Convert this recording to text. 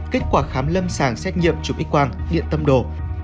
kết quả khám lâm sàng xét nghiệm chụp x quang điện tâm đồ